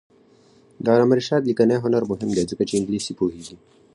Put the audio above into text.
د علامه رشاد لیکنی هنر مهم دی ځکه چې انګلیسي پوهېږي.